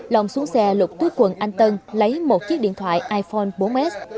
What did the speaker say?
long xuống xe lục túi quần anh tân lấy một chiếc điện thoại iphone bốn s